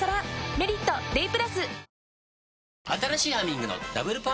「メリットＤＡＹ＋」